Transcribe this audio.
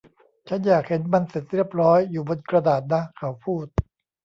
ฉันอยากเห็นมันเสร็จเรียบร้อยอยู่บนกระดาษนะ เขาพูด